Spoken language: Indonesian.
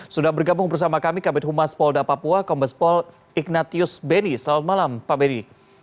sudah bergabung bersama kami kabinet humas polda papua kombespol ignatius beni selamat malam pak benny